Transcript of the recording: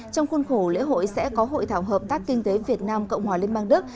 trong khuôn khổ lễ hội sẽ có hội thảo hợp tác kinh tế việt nam cộng hòa liên bang đức